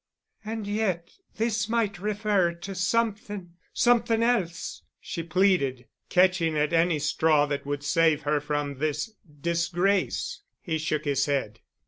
"And yet this might refer to something—something else—" she pleaded, catching at any straw that would save her from this disgrace. He shook his head.